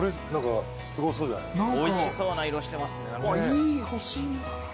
いい干し芋だな。